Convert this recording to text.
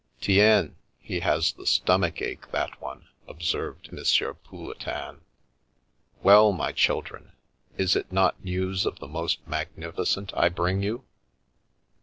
" Tiens ! He has the stomach ache, that one," ob served M. Pouletin. " Well, my children, is it not news of the most magnificent I bring you